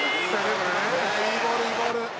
「いいボールいいボール」